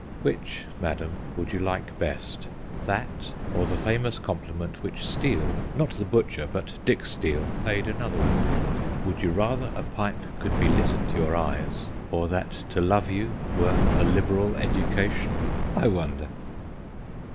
' Which, madam, would you like best : that, or the famous compliment which Steele not the butcher, but Dick Steele paid another woman ? Would you rather a pipe could be lit at your eyes, or that to love you were a liberal education ? I wonder.